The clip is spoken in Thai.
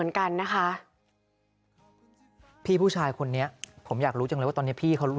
นั่นแหละสิ